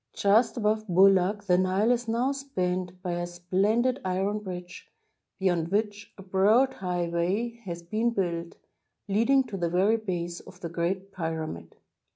Just above Boulak the Nile is now spanned by a splendid iron bridge, beyond which a broad highway has been built, leading to the very base of the Great Pyra mid.